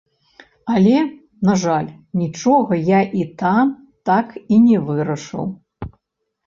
Але, на жаль, нічога я і там так і не вырашыў.